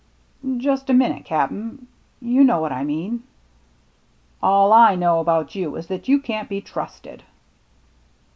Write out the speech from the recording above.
"Just a minute, Cap'n, you know what I mean." " All I know about you is that you can't be trusted."